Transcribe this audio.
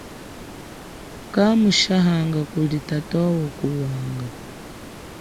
Kamushahanga kuli tatowo ku wanga.